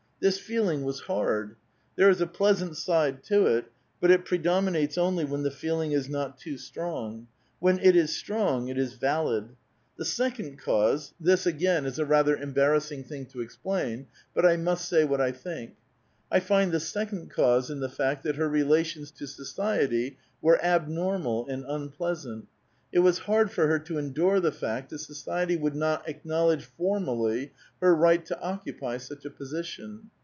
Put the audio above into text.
This feeling was hard. There is a pleasant side to it ; but it pre dominates only when the feeling is not too strong. When it is strong it is valid. The second cause — this, again, is a A VITAL QUESTION. 327 rather embarrassiDg thing to explain, but I must say what I think — I find the second cause in tlie fact that her relations to society were abnormal and unpleasant ; it was hard for her to endure the fact that society would not acknowledge for mally her right to occupy such a position.